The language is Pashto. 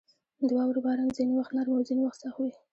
• د واورې باران ځینې وخت نرم او ځینې سخت وي.